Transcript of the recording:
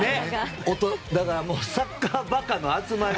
だからサッカーバカの集まり。